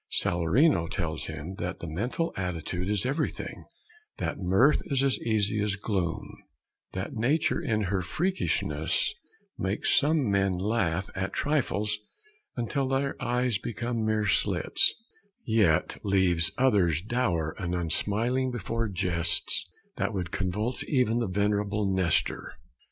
Salarino tells him that the mental attitude is everything; that mirth is as easy as gloom; that nature in her freakishness makes some men laugh at trifles until their eyes become mere slits, yet leaves others dour and unsmiling before jests that would convulse even the venerable Nestor.